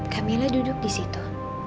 kamila duduk disitu